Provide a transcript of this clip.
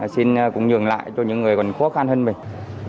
xin cũng nhường lại cho những người còn khó khăn hơn mình